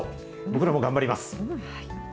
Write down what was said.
僕らも頑張ります。